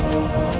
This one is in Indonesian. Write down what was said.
aku tahu yang ada